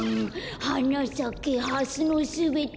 「はなさけハスのすべて」